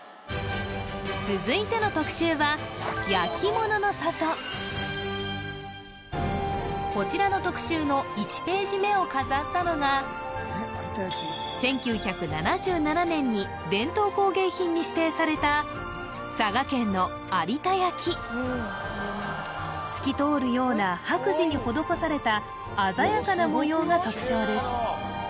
続いての特集はこちらの特集の１ページ目を飾ったのが１９７７年に伝統工芸品に指定された佐賀県の有田焼透き通るような白磁に施された鮮やかな模様が特徴です